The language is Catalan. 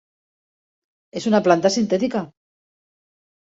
És una planta sintètica.